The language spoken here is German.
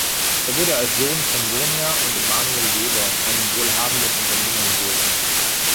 Er wurde als Sohn von Sonia und Emmanuel Weber, einem wohlhabenden Unternehmer, geboren.